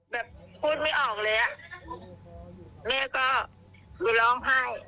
แบบพูดไม่ออกเลยอ่ะแม่ก็คือร้องไห้